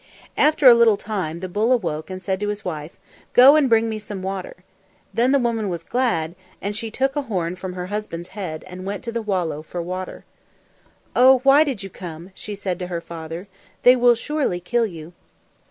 After a little time the bull awoke and said to his wife, "Go and bring me some water." Then the woman was glad, and she took a horn from her husband's head and went to the wallow for water. "Oh, why did you come?" she said to her father. "They will surely kill you."